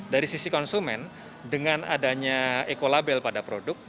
dari sisi konsumen dengan adanya ekolabel pada produk